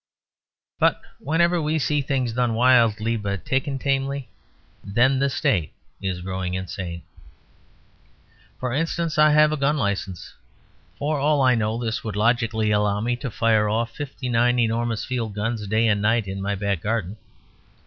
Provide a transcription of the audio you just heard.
But whenever we see things done wildly, but taken tamely, then the State is growing insane. For instance, I have a gun license. For all I know, this would logically allow me to fire off fifty nine enormous field guns day and night in my back garden.